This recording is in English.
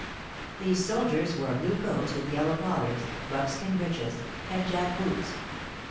These soldiers wore blue coats with yellow collars, buckskin breeches, and jack boots.